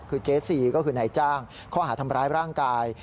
คือเจ๊ซีก็คือนายจ้างข้อหาทำร้ายร่างกาย